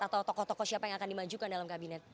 atau tokoh tokoh siapa yang akan dimajukan dalam kabinet